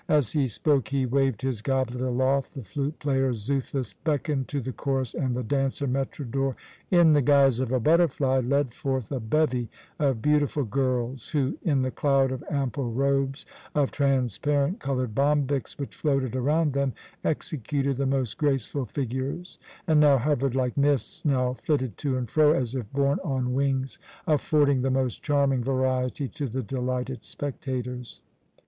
As he spoke he waved his goblet aloft, the flute player, Xuthus, beckoned to the chorus, and the dancer Metrodor, in the guise of a butterfly, led forth a bevy of beautiful girls, who, in the cloud of ample robes of transparent coloured bombyx which floated around them, executed the most graceful figures and now hovered like mists, now flitted to and fro as if borne on wings, affording the most charming variety to the delighted spectators.